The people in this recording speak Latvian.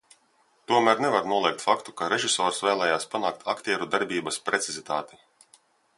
Tomēr nevar noliegt faktu, ka režisors vēlējās panākt aktieru darbības precizitāti.